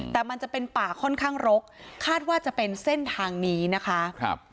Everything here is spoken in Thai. แต่มันจะเป็นป่าค่อนข้างรกคาดว่าจะเป็นเส้นทางนี้นะคะครับ